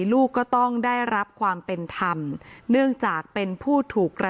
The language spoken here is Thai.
ลูกก็ต้องได้รับความเป็นธรรมเนื่องจากเป็นผู้ถูกกระ